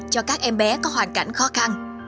cho các em bé có hoàn cảnh khó khăn